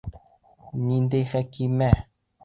Ниндәй Хәкимә?